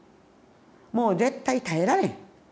もう絶対耐えられへん。